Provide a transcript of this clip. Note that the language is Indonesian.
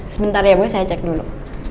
sebentar ya bu saya cek dulu